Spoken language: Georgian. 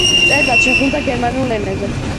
წერდა ჩეხურ და გერმანულ ენებზე.